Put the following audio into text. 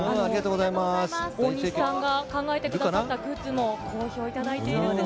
大西さんが考えてくださったグッズも好評いただいているそうですよ。